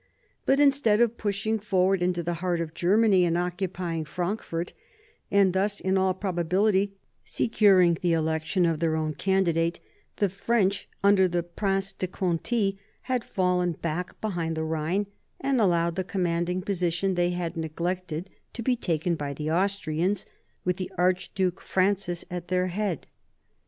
But instead of pushing forward into the heart of Germany and occupying Frankfort, and thus in all probability securing the election of their own candidate, the French, under the Prince de Conti, had fallen back behind the Rhine, and allowed the commanding position they had neglected to be taken by the Austrians, with the Archduke Francis at their head.